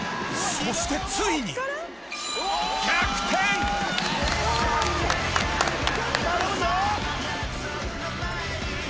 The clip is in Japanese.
そしてついに頼むぞ！